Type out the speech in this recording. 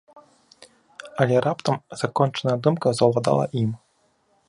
Але раптам закончаная думка заўладала ім.